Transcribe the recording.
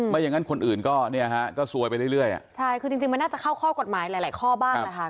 ไม่อย่างนั้นคนอื่นก็เนี่ยฮะก็ซวยไปเรื่อยอ่ะใช่คือจริงจริงมันน่าจะเข้าข้อกฎหมายหลายหลายข้อบ้างแหละค่ะ